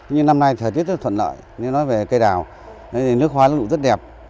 nhưng năm nay thời tiết rất thuận lợi nếu nói về cây đào nước hóa rất đẹp